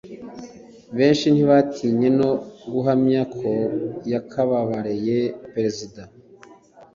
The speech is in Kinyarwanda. benshi ntibatinye no guhamya ko yakababareye perezida.